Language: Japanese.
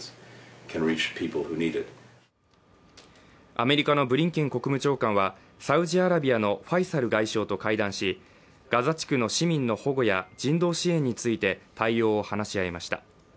アメリカのブリンケン国務長官はサウジアラビアのファイサル外相と会談し、ガザ地区の市民の保護や、人道支援について対応を話し合いました。